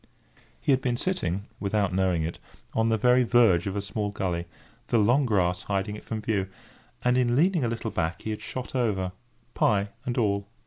He had been sitting, without knowing it, on the very verge of a small gully, the long grass hiding it from view; and in leaning a little back he had shot over, pie and all.